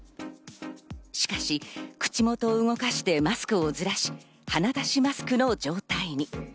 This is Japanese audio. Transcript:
しかし口元を動かしてマスクをずらし、鼻出しマスクの状態に。